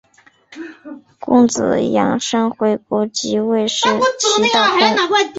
公子阳生回国即位就是齐悼公。